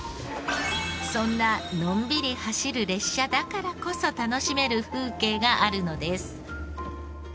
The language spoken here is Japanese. そんなのんびり走る列車だからこそ楽しめる風景があるのです。